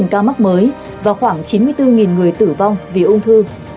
một ca mắc mới và khoảng chín mươi bốn người tử vong vì ung thư